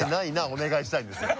お願いしたいんですよ。